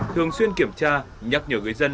thường xuyên kiểm tra nhắc nhở người dân